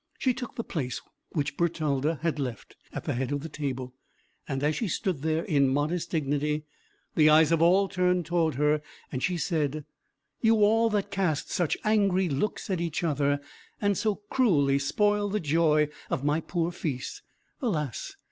She took the place which Bertalda had left, at the head of the table, and as she stood there in modest dignity, the eyes of all turned toward her, and she said: "You all that cast such angry looks at each other, and so cruelly spoil the joy of my poor feast, alas!